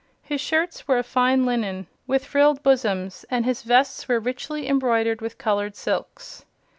His shirts were of fine linen with frilled bosoms, and his vests were richly embroidered with colored silks.